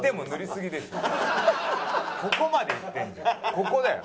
ここだよ。